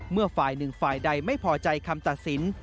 เมื่อฝ่ายหนึ่งฝ่ายใดไม่พอใจคำตัดสิน